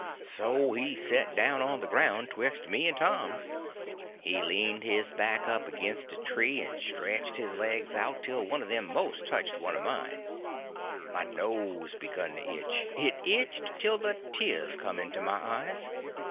So he set down on the ground betwixt me and Tom. He leaned his back up against a tree, and stretched his legs out till one of them most touched one of mine. My nose begun to itch. It itched till the tears come into my eyes.